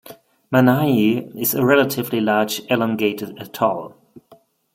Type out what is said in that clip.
Manihi is a relatively large elongated atoll.